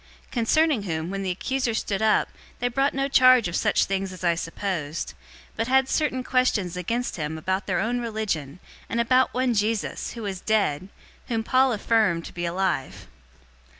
025:018 Concerning whom, when the accusers stood up, they brought no charge of such things as I supposed; 025:019 but had certain questions against him about their own religion, and about one Jesus, who was dead, whom Paul affirmed to be alive.